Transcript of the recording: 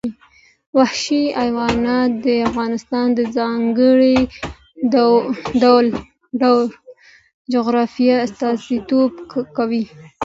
وحشي حیوانات د افغانستان د ځانګړي ډول جغرافیه استازیتوب کوي.